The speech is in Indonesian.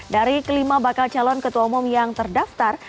dari kelima bakal calon ketua umum yang terdaftar